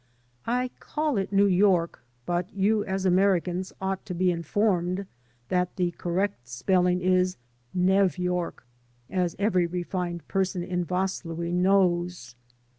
I call it New York, but you as Americans ought to be informed that the correct spelling is Nev York, as every refined person in Vaslui knows.